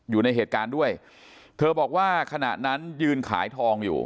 อยู่ในเหตุการณ์ด้วยเธอบอกว่าขณะนั้นยืนขายทองอยู่